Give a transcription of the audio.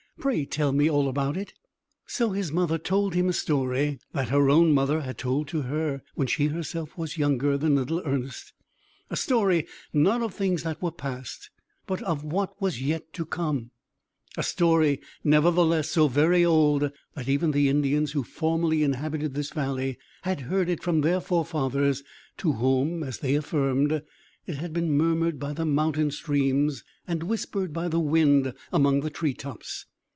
"Pray tell me all about it!" So his mother told him a story that her own mother had told to her, when she herself was younger than little Ernest; a story, not of things that were past, but of what was yet to come; a story, nevertheless, so very old, that even the Indians, who formerly inhabited this valley, had heard it from their forefathers, to whom, as they affirmed, it had been murmured by the mountain streams, and whispered by the wind among the tree tops.